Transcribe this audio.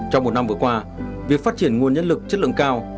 trong một năm vừa qua việc phát triển nguồn nhân lực chất lượng cao